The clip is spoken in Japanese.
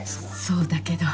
そうだけど。